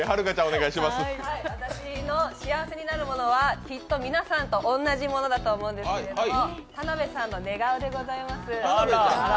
私の幸せになるものはきっと皆さんと同じものだと思うんですけど田辺さんの寝顔でございます。